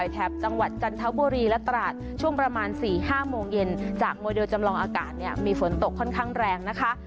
แถบจังหวัดจันทบุรีและตราดช่วงประมาณ๔๕โมงเย็นจากโมเดลจำลองอากาศเนี่ยมีฝนตกค่อนข้างแรงนะคะ